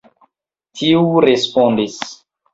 Tiu respondis.